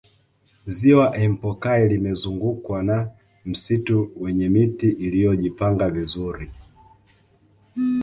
ziwa empokai limezungukwa na msitu wenye miti iliyojipanga vizuri